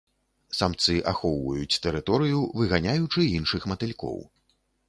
Самцы ахоўваюць тэрыторыю, выганяючы іншых матылькоў.